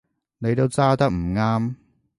你都揸得唔啱